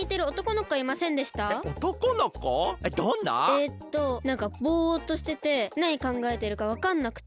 えっとなんかぼっとしててなにかんがえてるかわかんなくて。